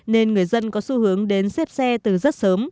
nên người dân có xu hướng đến xếp xe từ rất sớm